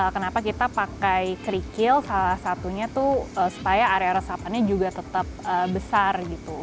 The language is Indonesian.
kenapa kita pakai kerikil salah satunya tuh supaya area resapannya juga tetap besar gitu